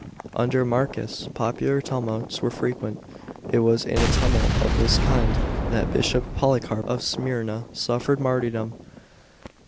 Under Marcus, popular tumults were frequent. It was in a tumult of this kind that Bishop Polycarp of Smyrna suffered martyrdom.